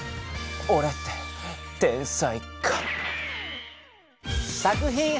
おれって天才かも。